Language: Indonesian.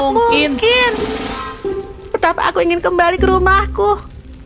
kau tahu aku melihat sebuah buku yang mirip dengan yang kudatangi di sini dengan kunci yang sama aku berniat membukanya